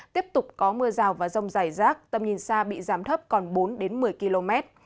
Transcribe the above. tiếp tục có mưa rào và rông giải rác tầm nhìn xa bị giám thấp còn bốn đến một mươi km